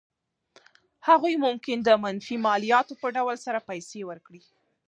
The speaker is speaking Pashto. هغوی ممکن د منفي مالیاتو په ډول سره پیسې ورکړي.